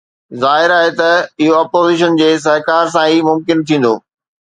ظاهر آهي ته اهو اپوزيشن جي سهڪار سان ئي ممڪن ٿيندو.